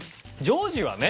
ジョージはね。